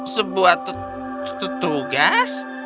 sebuah sebuah tugas